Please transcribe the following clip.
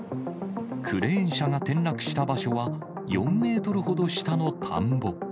クレーン車が転落した場所は、４メートルほど下の田んぼ。